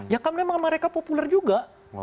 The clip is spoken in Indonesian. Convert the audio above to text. ya kan memang mereka populer juga